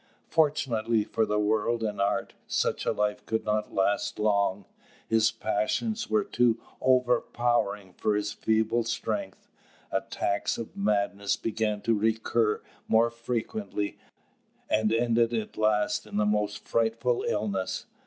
Fortunately for the world and art, such a life could not last long: his passions were too overpowering for his feeble strength. Attacks of madness began to recur more frequently, and ended at last in the most frightful illness.